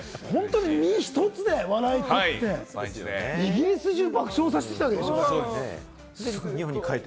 本当に身一つで笑い取ってイギリス中、爆笑させてきたんでしょ。